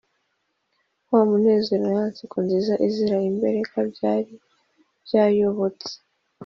wa munezero na ya nseko nziza izira imbereka byari byayoyotse.